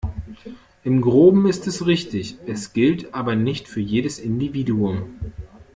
Im Groben ist es richtig, es gilt aber nicht für jedes Individuum.